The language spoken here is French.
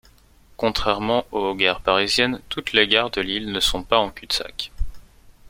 Contrairement aux gares parisiennes, toutes les gares de Lille ne sont pas en cul-de-sac.